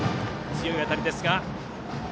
強い当たりですが。